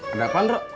ada apaan ro